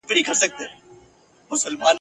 یوه ورځ به داسي راسي مدرسه به پوهنتون وي ..